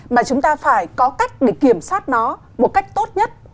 mà chúng ta phải có cách để kiểm soát nó một cách tốt nhất